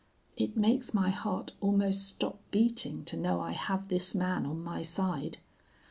"It makes my heart almost stop beating to know I have this man on my side.